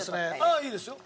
ああいいですよ。